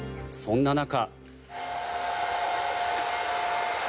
そんな中。